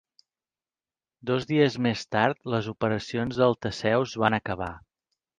Dos dies més tard, les operacions del Thesseus van acabar.